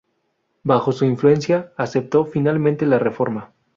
Bajo su influencia aceptó, finalmente, la Reforma.